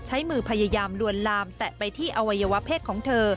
ใช้มือพยายามลวนลามแตะไปที่อวัยวะเพศของเธอ